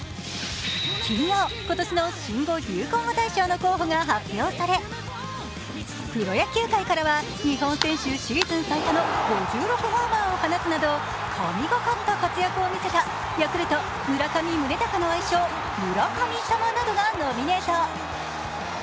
金曜、今年の新語・流行語大賞の候補が発表され、プロ野球会からは日本選手シーズン最多の５６ホーマーを放つなど、神がかった活躍を見せたヤクルト・村上宗隆の愛称村神様などがノミネート。